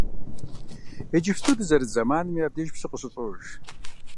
Иджыпсту дызэрыт зэманми абдеж псы къыщыщӏож.